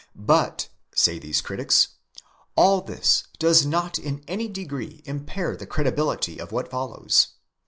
But, say these critics, all this does not in any degree impair the credibility of what follows.